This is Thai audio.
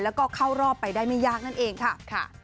แล้วก็เข้ารอบไปได้ไม่ยากนั่นเองค่ะ